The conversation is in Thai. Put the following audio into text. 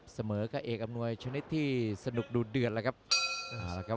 เสมอกับเอกอำนวยชนิดที่สนุกดูเดือดแล้วครับ